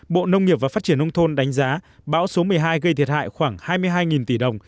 bộ nông nghiệp và phát triển nông thôn đánh giá bão số một mươi hai gây thiệt hại khoảng hai mươi hai tỷ đồng